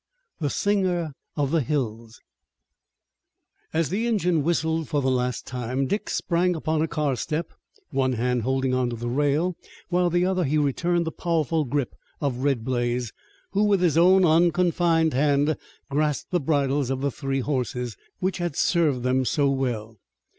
THE SINGER OF THE HILLS As the engine whistled for the last time Dick sprang upon a car step, one hand holding to the rail while with the other he returned the powerful grip of Red Blaze, who with his own unconfined hand grasped the bridles of the three horses, which had served them so well.